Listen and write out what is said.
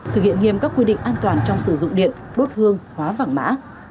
thực hiện nghiêm các quy định an toàn trong sử dụng điện đốt hương hóa vàng mã